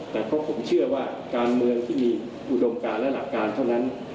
แต่เพราะผมเชื่อว่าการเมืองที่มีอุดมการและหลักการเท่านั้น